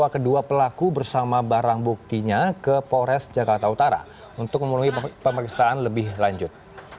kedua pelaku bersama barang buktinya ke pores jakarta utara untuk memulai pemergisaan lebih lanjut